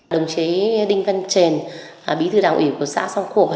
đồng chí đinh văn trền bí thư đảng ủy của xã song khổ